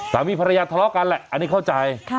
สามีภรรยาทะเลาะกันแหละอันนี้เข้าใจ